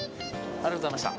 ありがとうございます！